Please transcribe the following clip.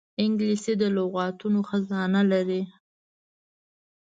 انګلیسي د لغاتو خزانه لري